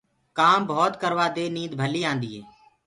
ڪآم ڀوت ڪروآ دي نيند ڀليٚ آندي هي۔